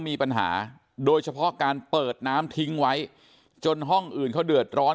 มีปัญหาโดยเฉพาะการเปิดน้ำทิ้งไว้จนห้องอื่นเขาเดือดร้อน